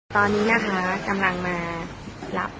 ตอนนี้นะคะกำลังมารับ